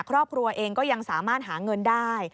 ครอบครัวเองก็ยังสามารถหาเงินได้